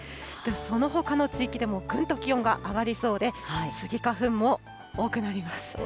そのほかの地域でもぐんと気温が上がりそうで、スギ花粉も多くなります。